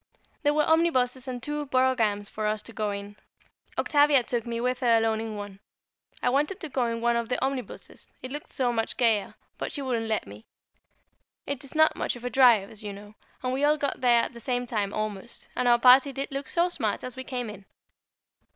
There were omnibuses and two broughams for us to go in. Octavia took me with her alone in one. I wanted to go in one of the omnibuses it looked so much gayer but she wouldn't let me. It is not much of a drive, as you know, and we all got there at the same time almost, and our party did look so smart as we came in.